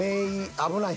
危ない。